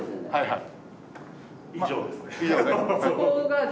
はい。